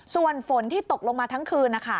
ส่วนฝนที่ตกลงมาทั้งคืนนะคะ